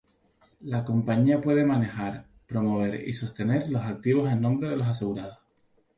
La compañía puede manejar, promover y sostener los activos en nombre de los asegurados.